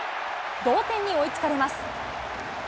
同点に追いつかれます。